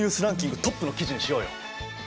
ランキングトップの記事にしようよ！